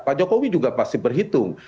pak jokowi juga pasti berhitung